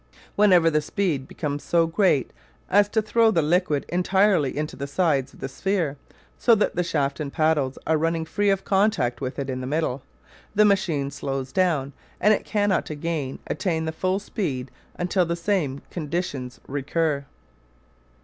Whenever the speed becomes so great as to throw the liquid entirely into the sides of the sphere so that the shaft and paddles are running free of contact with it in the middle the machine slows down, and it cannot again attain full speed until the same conditions recur.